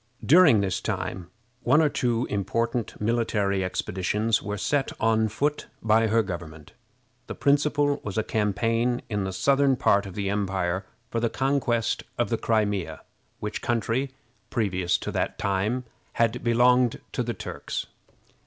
During this time one or two important military expeditions were set on foot by her government. The principal was a campaign in the southern part of the empire for the conquest of the Crimea, which country, previous to that time, had belonged to the Turks.